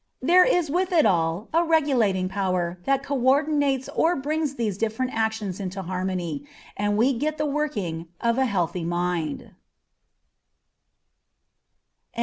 There is with it all a regulating power that coördinates or brings these different actions into harmony, and we get the working of a healthy mind.